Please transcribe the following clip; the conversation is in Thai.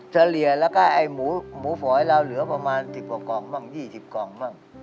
เฉลี่ยแล้วก็ไอ้หมูฝอยเราเหลือประมาณ๑๐กว่ากล่องบ้าง๒๐กล่องบ้าง